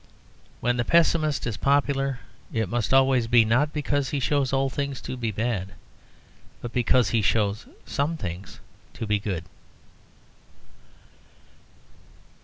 When the pessimist is popular it must always be not because he shows all things to be bad, but because he shows some things to be good.